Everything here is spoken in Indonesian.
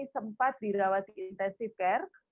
sempat dirawat intensif care